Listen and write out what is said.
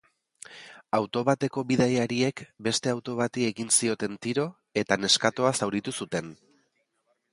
Auto bateko bidaiariek beste auto bati egin zioten tiro eta neskatoa zauritu zuten.